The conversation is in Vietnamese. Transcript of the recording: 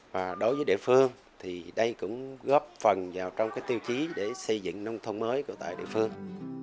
và đối với địa phương thì đây cũng góp phần vào trong cái tiêu chí để xây dựng nông thôn mới của tại địa phương